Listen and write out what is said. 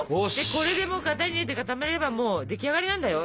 これでもう型に入れて固めればもう出来上がりなんだよ。